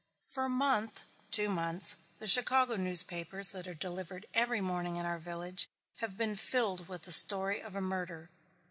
For a month, two months, the Chicago newspapers, that are delivered every morning in our village, have been filled with the story of a murder.